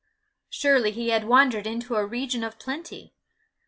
Surely he had wandered into a region of plenty!